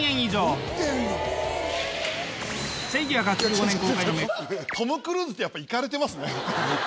ピンポントム・クルーズってやっぱイカれてますね。